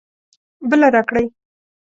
بله راکړئ